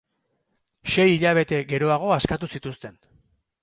Sei hilabete geroago askatu zituzten.